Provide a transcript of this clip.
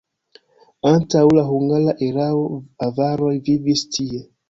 Antaŭ la hungara erao avaroj vivis tie.